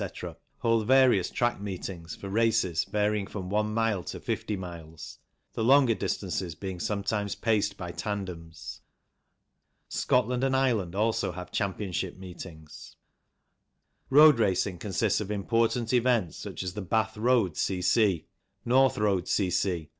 hold various track meetings for races varying from one mile to fifty miles, the longer distances being sometimes paced by tandems. Scotland and Ireland also have championship meetings. Road racing consists of important events such as the Bath Road C.C., North Road C.C.